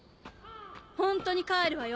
ホントに帰るわよ